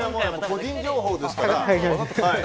個人情報ですから。